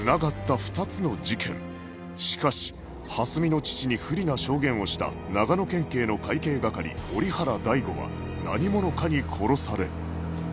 しかし蓮見の父に不利な証言をした長野県警の会計係折原大吾は何者かに殺され